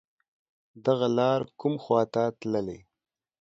دغه لار کوم خواته تللی